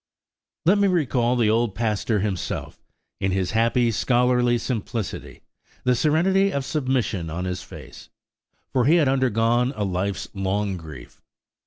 Let me recall the old Pastor himself, in his happy, scholarly simplicity; the serenity of submission on his face, for he had undergone a life's long grief.